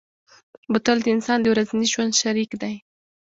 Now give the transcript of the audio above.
بوتل د انسان د ورځني ژوند شریک دی.